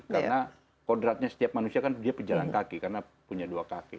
karena kodratnya setiap manusia kan dia pejalan kaki karena punya dua kaki